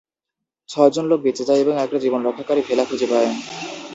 ছয় জন লোক বেঁচে যায় এবং একটা জীবনরক্ষাকারী ভেলা খুঁজে পায়।